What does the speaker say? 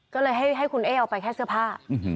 ก็เลยให้คุณเอ๊เอาไปแค่เสื้อผ้า